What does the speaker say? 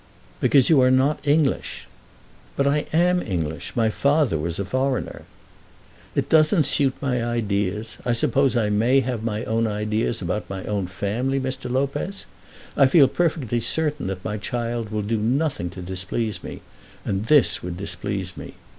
"Because you are not English." "But I am English. My father was a foreigner." "It doesn't suit my ideas. I suppose I may have my own ideas about my own family, Mr. Lopez? I feel perfectly certain that my child will do nothing to displease me, and this would displease me.